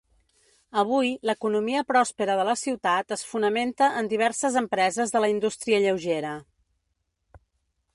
Avui, l'economia pròspera de la ciutat es fonamenta en diverses empreses de la indústria lleugera.